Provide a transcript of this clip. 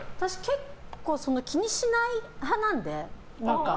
結構気にしない派なんで。